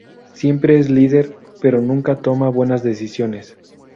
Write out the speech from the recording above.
Siempre es líder, pero nunca toma buenas decisiones.